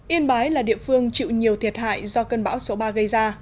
yên bái là địa phương chịu nhiều thiệt hại do cơn bão số ba gây ra